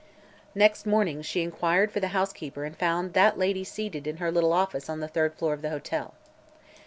Next morning she inquired for the housekeeper and found that lady seated in her little office on the third floor of the hotel.